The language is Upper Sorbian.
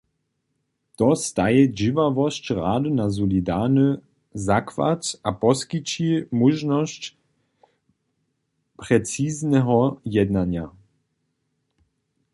To staji dźěławosć rady na solidny zakład a poskići móžnosć precizneho jednanja.